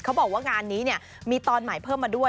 เขาบอกว่างานนี้เนี่ยมีตอนใหม่เพิ่มมาด้วย